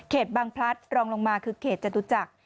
บางพลัดรองลงมาคือเขตจตุจักร